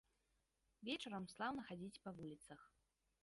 Вечарам слаўна хадзіць па вуліцах.